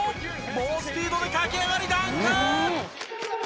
猛スピードで駆け上がりダンク！